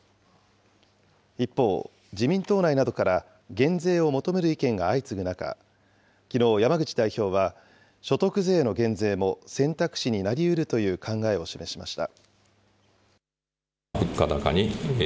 一方、自民党内などから減税を求める意見が相次ぐ中、きのう、山口代表は、所得税の減税も選択肢になりうるという考えを示しました。